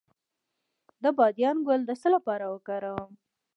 د بادیان ګل د څه لپاره وکاروم؟